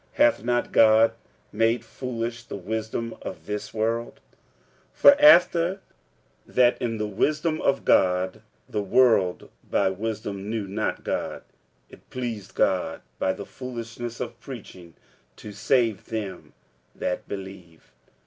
hath not God made foolish the wisdom of this world? 46:001:021 For after that in the wisdom of God the world by wisdom knew not God, it pleased God by the foolishness of preaching to save them that believe.